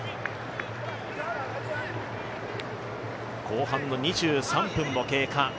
後半の２３分を経過。